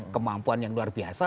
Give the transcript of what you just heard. kemampuan yang luar biasa